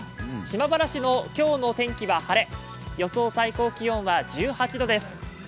島原市の今日の天気は晴れ、予想最高気温は１８度です。